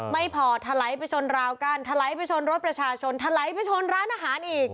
ไม่พอทะไล่ไปชนราวกันทะไล่ไปชนรถประชาชนทะไล่ไปชนร้านอาหารอีก